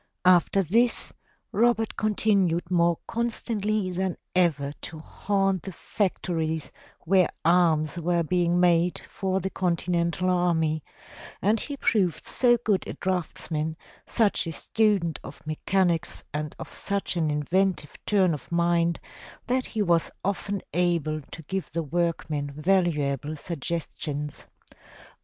After this Robert continued more constantly than ever to haunt the factories where arms were being made for the Con tinental army, and he proved so good a draughtsman, such a student of mechanics and of such an inventive turn of mind, that he was often able to give the workmen valuable suggestions.